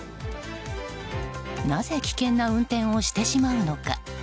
なぜ危険な運転をしてしまうのか。